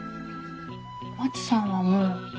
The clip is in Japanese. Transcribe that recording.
まちさんはもう？